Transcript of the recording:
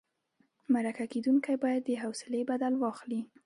مرکه کېدونکی باید د حوصلې بدل واخلي.